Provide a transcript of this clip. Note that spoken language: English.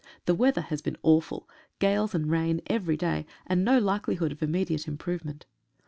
The weather has been awful — gales, and rain every day, and no likelihood of immediate improvement.